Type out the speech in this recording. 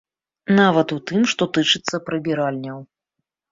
Нават у тым, што тычыцца прыбіральняў.